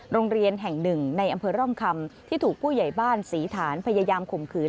โรงเรียนแห่งหนึ่งในอำเภอร่องคำที่ถูกผู้ใหญ่บ้านศรีฐานพยายามข่มขืน